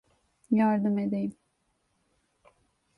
Yardım edeyim.